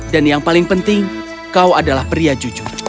dan yang paling penting kau adalah pria jujur